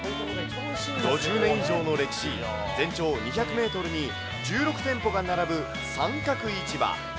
５０年以上の歴史、全長２００メートルに１６店舗が並ぶ三角市場。